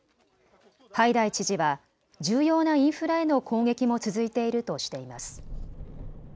ハイダイ知事は重要なインフラへの攻撃も続いているとしています。